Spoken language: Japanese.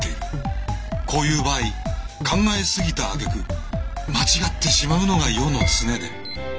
こういう場合考えすぎたあげく間違ってしまうのが世の常で。